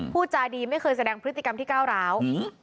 พูดจาดีไม่เคยแสดงพฤติกรรมที่ก้าวร้าว